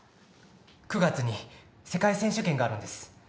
９月に世界選手権があるんです。